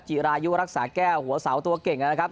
จิรายุรักษาแก้วหัวเสาตัวเก่งนะครับ